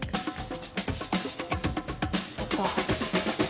えっと。